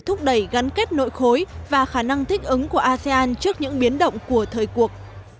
thúc đẩy gắn kết nội khối và khả năng thích ứng của asean trước những biến động của thời cuộc